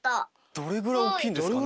どれぐらいおっきいんですかね？